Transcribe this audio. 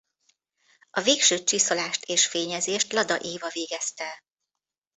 A végső csiszolást és fényezést Lada Éva végezte.